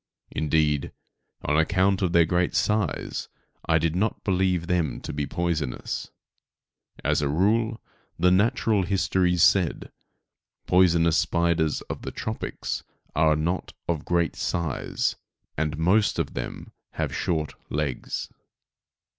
Indeed on account of their great size I did not believe them to be poisonous. As a rule, the natural histories said, poisonous spiders of the tropics are not of great size, and most of them have short legs.